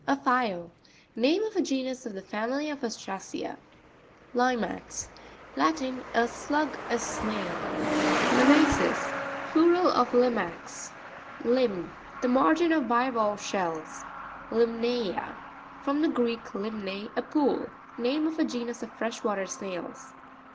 A file. Name of a genus of the family of Ostracea. Li'max.—Latin. A slug,a snail. | Lima'ces.—Plural of limax. Lims.—The margin of bivalve shells. Limna'a.—From the Greek, limne, a pool. Name of a genus of fresh water snails.